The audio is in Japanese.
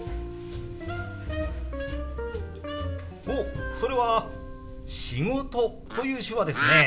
おっそれは「仕事」という手話ですね。